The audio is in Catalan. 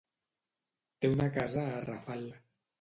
Té una casa a Rafal.